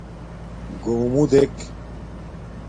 گݸمُݸ دݵک